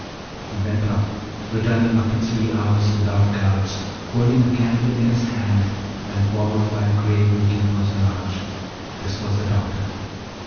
He went out, returning after three hours without guards, holding a candle in his hand, and followed by a grave looking personage; this was the doctor.